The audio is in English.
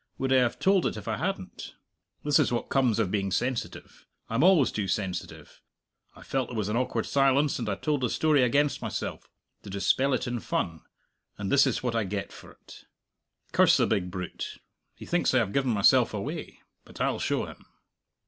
Would I have told it if I hadn't? This is what comes of being sensitive. I'm always too sensitive! I felt there was an awkward silence, and I told a story against myself to dispel it in fun, and this is what I get for't. Curse the big brute! he thinks I have given myself away. But I'll show him!"